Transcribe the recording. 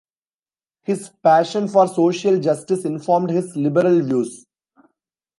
His passion for social justice informed his liberal views.